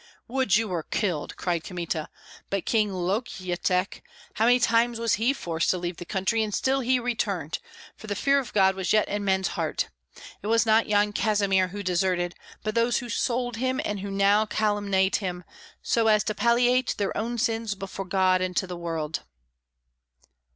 "Would you were killed!" cried Kmita. "But King Lokyetek, how many times was he forced to leave the country, and still he returned, for the fear of God was yet in men's hearts. It was not Yan Kazimir who deserted, but those who sold him and who now calumniate him, so as to palliate their own sins before God and the world!"